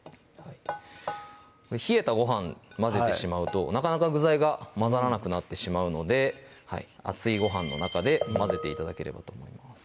冷えたご飯に混ぜてしまうとなかなか具材が混ざらなくなってしまうので熱いご飯の中で混ぜて頂ければと思います